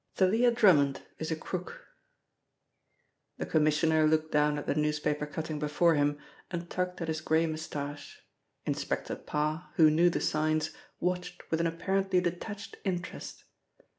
— THALIA DRUMMOND IS A CROOK THE Commissioner looked down at the newspaper cutting before him and tugged at his grey moustache. Inspector Parr, who knew the signs, watched with an apparently detached interest.